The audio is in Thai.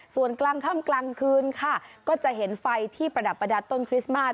ส่วนกลางค่ำกลางคืนค่ะก็จะเห็นไฟที่ประดับประดาษต้นคริสต์มาส